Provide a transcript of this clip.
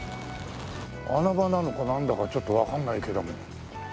穴場なのかなんだかちょっとわかんないけども。